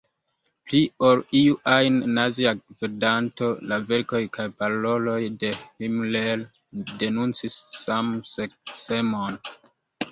Pli ol iu ajn Nazia gvidanto, la verkoj kaj paroloj de Himmler denuncis samseksemon.